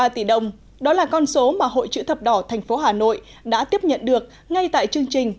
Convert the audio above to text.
một mươi năm ba tỷ đồng đó là con số mà hội chữ thập đỏ tp hà nội đã tiếp nhận được ngay tại chương trình